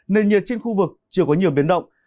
nền nhiệt trên khu vực chưa có nhiều biến động